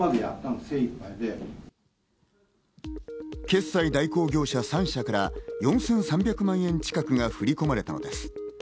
決済代行業者３社から４３００万円近くが振り込まれたのです。